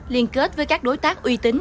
liên kết với các đối tác uy tín